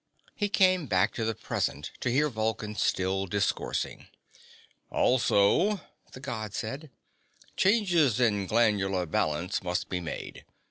He came back to the present to hear Vulcan still discoursing. "Also," the God said, "changes in glandular balance must be made.